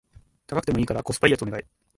高くてもいいからコスパ良いやつお願い